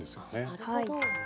なるほど。